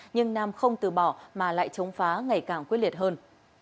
nhưng nam không từ bỏ mà lại chống phá ngày càng quyết liệt hơn